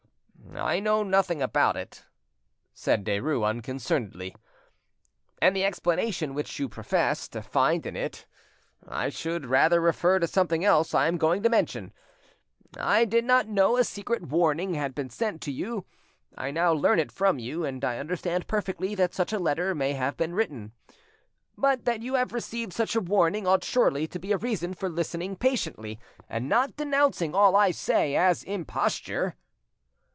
"I know nothing about it," said Derues unconcernedly, "and the explanation which you profess to find in it I should rather refer to something else I am going to mention. I did not know a secret warning had been sent to you: I now learn it from you, and I understand perfectly that such a letter, may have been written. But that you have received such a warning ought surely to be a reason for listening patiently and not denouncing all I say as imposture."